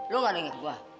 lo enggak dengar gue